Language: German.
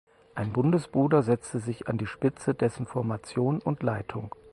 Ein Bundesbruder setzte sich an die Spitze dessen Formation und Leitung.